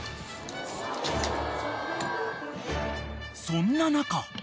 ［そんな中］